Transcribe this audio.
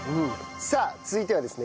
さあ続いてはですね